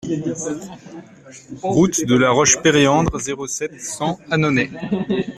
Route de la Roche Péréandre, zéro sept, cent Annonay